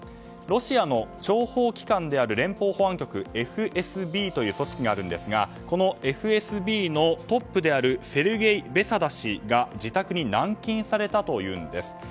ロシアの諜報機関である連邦保安局ＦＳＢという組織があるんですがこのＦＳＢのトップであるセルゲイ・ベセダ氏が自宅に軟禁されたというんです。